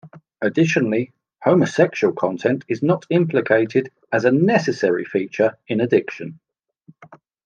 Additionally, homosexual content is not implicated as a necessary feature in addiction.